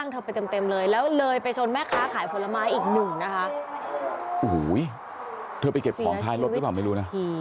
เธอไปเก็บของท้ายรถก็บอกไม่รู้นะเหมือนกับไปกำลังจะเก็บของอยู่